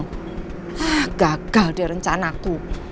ah gagal dia rencana aku